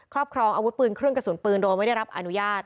ครอบครองอาวุธปืนเครื่องกระสุนปืนโดยไม่ได้รับอนุญาต